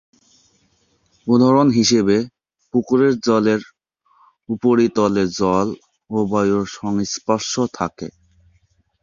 উদাহরণ হিসেবে, পুকুরের জলের উপরিতলে জল ও বায়ুর সংস্পর্শ থাকে।